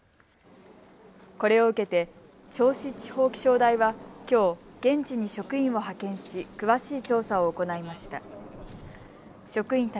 これを受けて銚子地方気象台はきょう現地に職員を派遣し、詳しい調査を行いました。